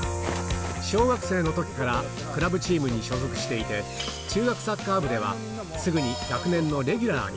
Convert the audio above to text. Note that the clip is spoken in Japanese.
小学生のときからクラブチームに所属していて、中学サッカー部では、すぐに学年のレギュラーに。